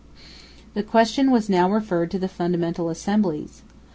The question was now referred to the Fundamental Assemblies.